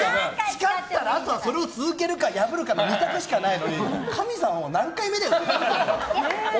誓ったらあとはそれを続けるか破るかの２択しかないのに神様も何回目だよって。